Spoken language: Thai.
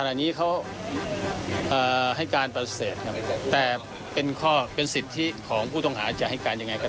ขณะนี้เขาให้การปฏิเสธแต่เป็นสิทธิ์ของผู้ต้องหาจะให้การอย่างไรก็ได้